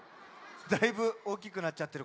だいぶおおきくなっちゃってるから。